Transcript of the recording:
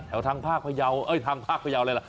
ทางภาคพยาวเอ้ยทางภาคพยาวอะไรล่ะ